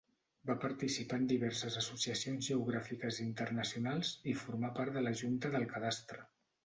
Va participar en diverses associacions geogràfiques internacionals i formà part de la Junta del Cadastre.